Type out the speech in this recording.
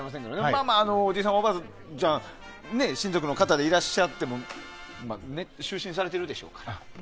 まあまあおじいちゃん、おばあちゃん親族の方でいらっしゃっても就寝されてるでしょうから。